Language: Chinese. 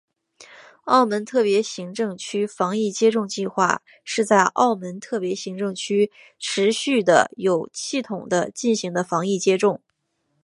澳门特别行政区防疫接种计划是在澳门特别行政区持续地有系统地进行的防疫接种。